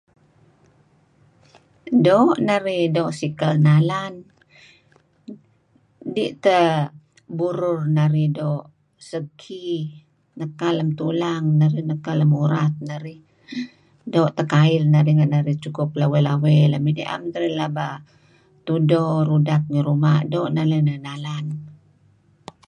Doo' narih doo' sikel nalan dih teh burur narih doo' segki neka lem tulang narih neka lem urar narih. Doo' teh kail narih renga narih cukup lawey-lawey lem idih am teh narih laba tudo rudap ngi ruma'. Doo' narih nalan-nalan.